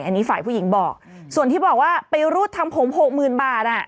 อันนี้ฝ่ายผู้หญิงบอกส่วนที่บอกว่าไปรูดทำผมหกหมื่นบาทอ่ะ